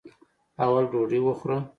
اول ډوډۍ وخوره.